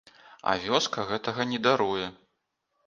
А вёска гэтага не даруе.